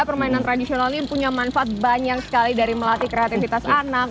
permainan tradisional ini punya manfaat banyak sekali dari melatih kreativitas anak